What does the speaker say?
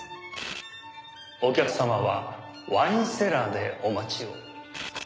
お客様はワインセラーでお待ちを。